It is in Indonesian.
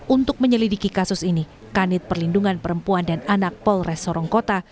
untuk menyelidiki kasus ini kanit perlindungan perempuan dan anak polres sorongkota